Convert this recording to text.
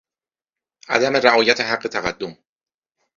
عدم رعایت حق تقدم